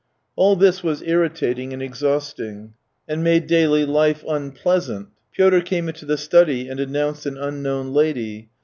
•Ml this was irritating and exhausting, and made daily life unpleasant. Pyotr came into the study, and announced an unknown lady.